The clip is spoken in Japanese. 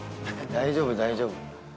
大丈夫大丈夫。